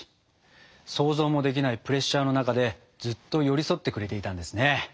想像もできないプレッシャーの中でずっと寄り添ってくれていたんですね。